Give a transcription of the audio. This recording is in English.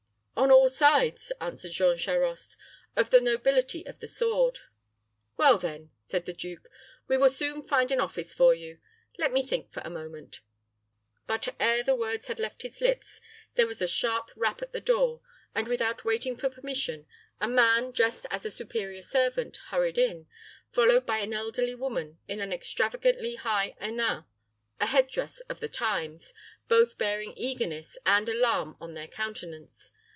"On all sides," answered Jean Charost. "Of the nobility of the sword." "Well, then," said the duke, "we will soon find an office for you. Let me think for a moment " But, ere the words had left his lips, there was a sharp rap at the door, and, without waiting for permission, a man, dressed as a superior servant, hurried in, followed by an elderly woman in an extravagantly high hennin a head dress of the times both bearing eagerness and alarm on their countenance.